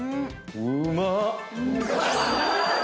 うまっ！